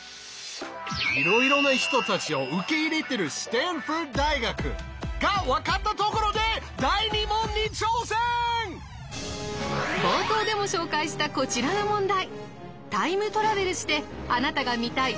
いろいろな人たちを受け入れているスタンフォード大学が分かったところで冒頭でも紹介したこちらの問題！